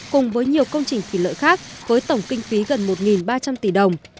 cùng với nhiều công trình thủy lợi khác với tổng kinh phí gần một ba trăm linh tỷ đồng